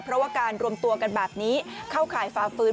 เพราะว่าการรวมตัวกันแบบนี้เข้าข่ายฝ่าฟื้น